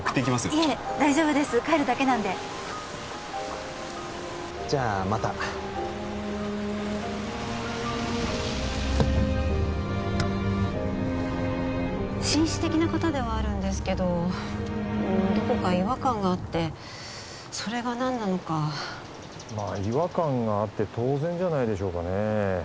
よいえ大丈夫です帰るだけなんでじゃあまた紳士的な方ではあるんですけどどこか違和感があってそれが何なのかまあ違和感があって当然じゃないでしょうかねえ